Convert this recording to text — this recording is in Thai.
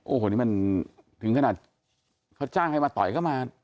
โอ้โหนี่มันถึงขนาดเขาจ้างให้มาต่อยเข้ามา